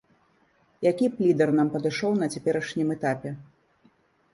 Які б лідар нам падышоў на цяперашнім этапе?